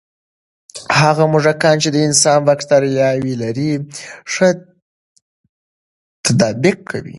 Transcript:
هغه موږکان چې د انسان بکتریاوې لري، ښه تطابق کوي.